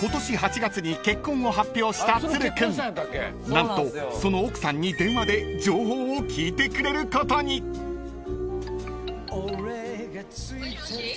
［何とその奥さんに電話で情報を聞いてくれることに］もしもし。